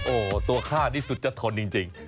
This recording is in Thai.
โอ้โหตัวข้านี่สุดจะทนจริง